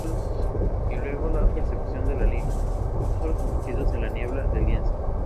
Y luego la persecución de la línea; rostros sumergidos en la niebla del lienzo.